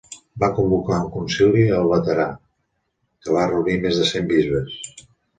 Va convocar un concili al Laterà que va reunir més de cent bisbes.